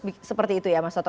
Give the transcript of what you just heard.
harus seperti itu ya mas soto